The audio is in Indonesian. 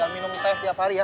minum teh setiap hari ya